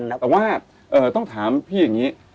แต่ว่าต้องถามพี่อย่างนี้